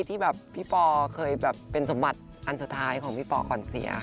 ที่แบบพี่ปอเคยแบบเป็นสมบัติอันสุดท้ายของพี่ปอขวัญเสีย